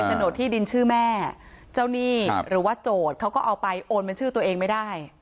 โดดที่ดินชื่อแม่เจ้าหนี้หรือว่าโจทย์เขาก็เอาไปโอนเป็นชื่อตัวเองไม่ได้